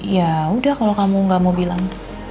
ya udah kalau kamu gak mau bilang